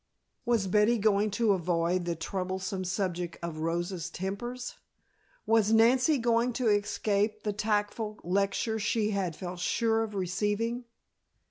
Was Betty going to avoid the troublesome subject of Rosa's tempers? Was Nancy going to escape the tactful lecture she had felt sure of receiving?